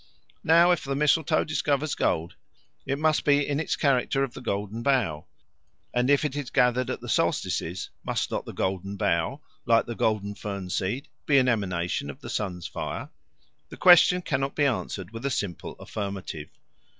Now, if the mistletoe discovers gold, it must be in its character of the Golden Bough; and if it is gathered at the solstices, must not the Golden Bough, like the golden fern seed, be an emanation of the sun's fire? The question cannot be answered with a simple affirmative.